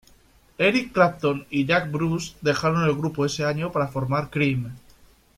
Eric Clapton y Jack Bruce dejaron el grupo ese año para formar Cream.